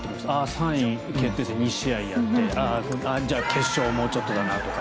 ３位決定戦２試合やってじゃあ、決勝もうちょっとだなとか。